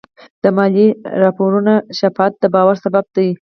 د مالي راپورونو شفافیت د باور سبب دی.